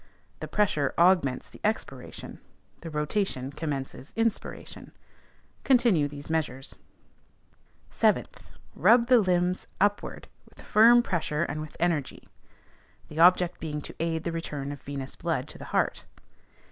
(The pressure augments the _ex_piration, the rotation commences _in_spiration.) Continue these measures. 7th, Rub the limbs upward, with firm pressure and with energy. (The object being to aid the return of venous blood to the heart.)